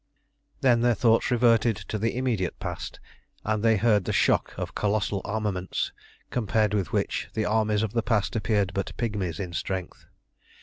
Then their thoughts reverted to the immediate past, and they heard the shock of colossal armaments, compared with which the armies of the past appeared but pigmies in strength.